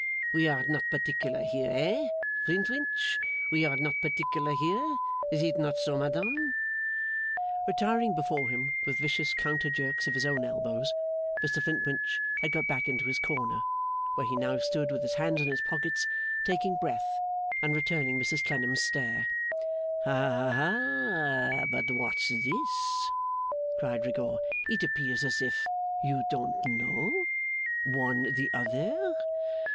We are not particular here; hey, Flintwinch? We are not particular here; is it not so, madame?' Retiring before him with vicious counter jerks of his own elbows, Mr Flintwinch had got back into his corner, where he now stood with his hands in his pockets, taking breath, and returning Mrs Clennam's stare. 'Ha, ha, ha! But what's this?' cried Rigaud. 'It appears as if you don't know, one the other.